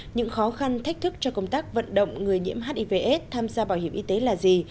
những khó khăn thách thức cho công tác vận động người nhiễm hivs tham gia bảo hiểm y tế là gì